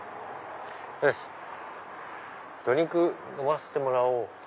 よしドリンク飲ませてもらおう。